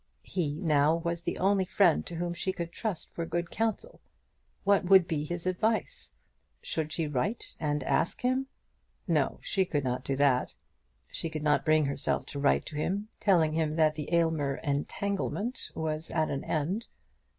He, now, was the only friend to whom she could trust for good council. What would be his advice? Should she write and ask him? No; she could not do that. She could not bring herself to write to him, telling him that the Aylmer "entanglement" was at an end.